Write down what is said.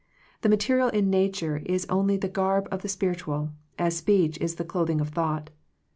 The material in nature is only the garb of the spiritual, as speech is the clothing of thought.